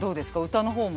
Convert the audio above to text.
歌の方も。